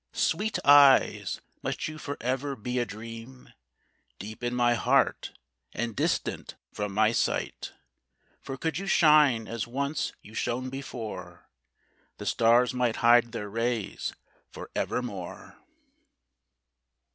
Sweet eyes! must you for ever be a dream Deep in my heart, and distant from my sight? For could you shine as once you shone before, The stars might hide their rays for evermore!